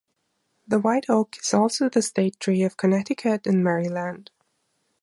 The white oak is also the state tree of Connecticut and Maryland.